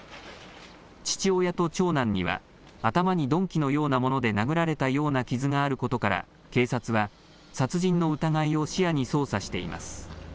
父親と長男には頭に鈍器のようなもので殴られたような傷があることから警察は殺人の疑いを視野に捜査しています。